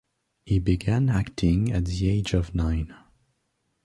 He began acting at the age of nine.